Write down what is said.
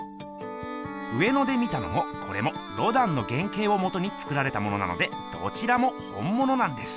上野で見たのもコレもロダンの原けいをもとに作られたものなのでどちらも「本もの」なんです。